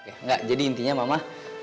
enggak jadi intinya mama